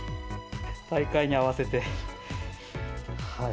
大会に合わせて、はい。